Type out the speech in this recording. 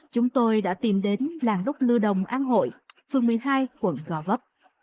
chúng tôi đã tìm đến làng đúc lưu đồng an hội phương một mươi hai quận gò bắp